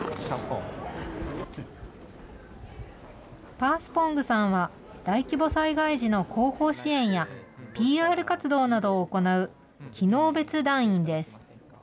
パースポングさんは、大規模災害時の後方支援や、ＰＲ活動などを行う機能別団員です。